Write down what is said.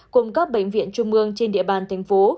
cùng các bệnh viện trung mương trên địa bàn thành phố